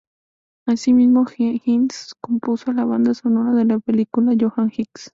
Asimismo, Hinds compuso la banda sonora de la película Jonah Hex.